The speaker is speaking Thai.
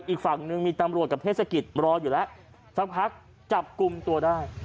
อีกฝั่งหนึ่งมีตำรวจกับเทศกิจรออยู่แล้วสักพักจับกลุ่มตัวได้